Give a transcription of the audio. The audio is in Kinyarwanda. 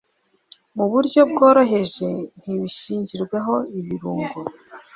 mu buryo bworoheje, ntibishyirwemo ibirungo